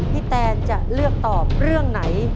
แตนจะเลือกตอบเรื่องไหน